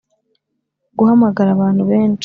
guhamagara abantu benshi